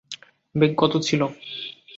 বেগ কত ছিল?